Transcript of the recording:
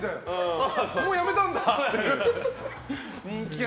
もうやめたんだ？